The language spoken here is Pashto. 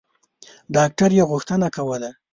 ډاکټر یې غوښتنه کوله.